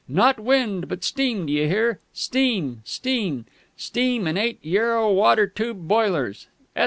"Not wind, but steam; d'you hear? Steam, steam. Steam, in eight Yarrow water tube boilers.